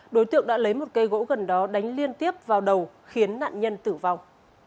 đối tượng đã lấy một cây gỗ gần đó đánh liên tiếp vào đầu khiến nạn nhân tử vong